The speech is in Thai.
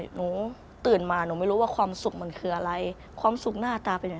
หนูตื่นมาหนูไม่รู้ว่าความสุขมันคืออะไรความสุขหน้าตาเป็นยังไง